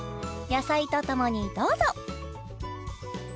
野菜とともにどうぞ！